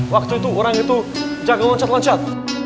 waktu itu orang itu jaga loncat loncat